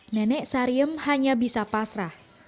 nenek sariem hanya bisa pasrah